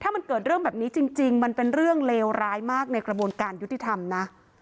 ถ้ามันเกิดเรื่องแบบนี้จริงมันเป็นเรื่องเลวร้ายมากในกระบวนการยุติธรรมนะ